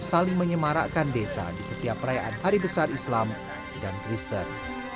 saling menyemarakkan desa di setiap perayaan hari besar islam dan kristen